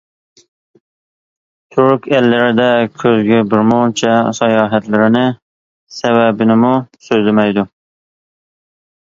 تۈرك ئەللىرىدە كۆزگە بىرمۇنچە ساياھەتلىرىنىڭ سەۋەبىنىمۇ سۆزلىمەيدۇ .